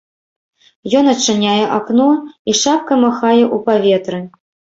Ён адчыняе акно і шапкай махае ў паветры.